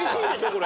これ。